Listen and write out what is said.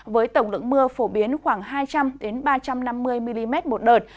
với tổng lượng mưa phổ biến khoảng hai trăm linh ba trăm năm mươi mm một đợt